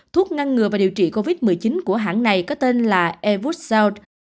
thuốc ngăn ngừa và điều trị covid một mươi chín của hãng này có tên là airvusosot